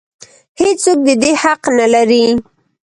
هېڅ څوک د دې حق نه لري.